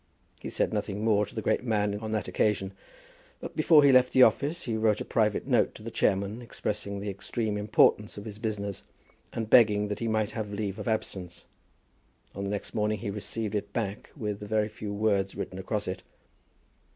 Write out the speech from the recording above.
He said nothing more to the great man on that occasion, but before he left the office he wrote a private note to the chairman expressing the extreme importance of his business, and begging that he might have leave of absence. On the next morning he received it back with a very few words written across it.